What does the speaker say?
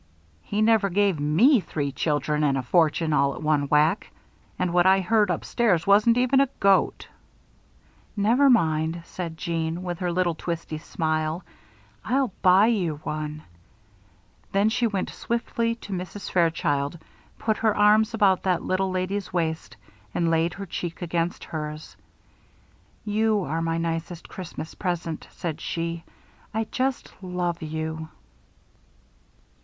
"He never gave me three children and a fortune all at one whack. And what I heard upstairs wasn't even a goat." "Never mind," said Jeanne, with her little twisty smile, "I'll buy you one." Then she went swiftly to Mrs. Fairchild, put her arms about that little lady's waist, and laid her cheek against hers. "You are my nicest Christmas present," she said. "I just love you."